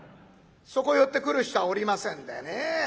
そこへ寄ってくる人はおりませんでね。